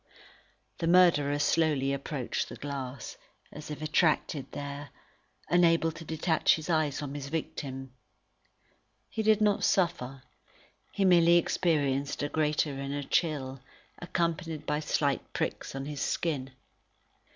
The murderer slowly approached the glass, as if attracted there, unable to detach his eyes from his victim. He did not suffer; he merely experienced a great inner chill, accompanied by slight pricks on his skin.